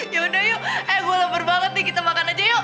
yaudah yuk eh gue lebar banget nih kita makan aja yuk yuk